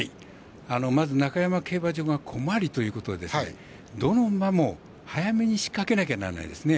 まず中山競馬場が小回りということでどの馬も早めに仕掛けなきゃならないですね。